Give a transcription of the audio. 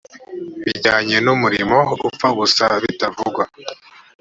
bijyanye n umurimo ipfa gusa kutavuga